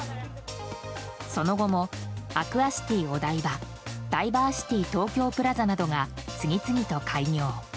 その後も、アクアシティお台場ダイバーシティ東京プラザなどが次々と開業。